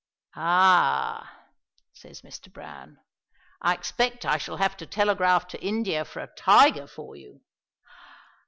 "Ah," says Mr. Browne, "I expect I shall have to telegraph to India for a tiger for you."